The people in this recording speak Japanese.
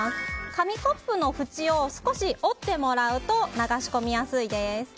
紙コップの縁を少し折ってもらうと流し込みやすいです。